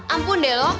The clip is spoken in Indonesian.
ampun deh loh